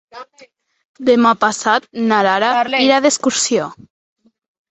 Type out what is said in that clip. Demà passat na Lara irà d'excursió.